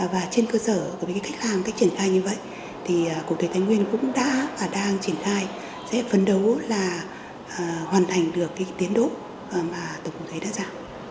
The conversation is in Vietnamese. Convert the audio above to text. và trên cơ sở các cách làm cách triển khai như vậy thì cục thuế thanh nguyên cũng đã và đang triển khai sẽ phấn đấu là hoàn thành được tiến đỗ mà tổng cục thuế đã ra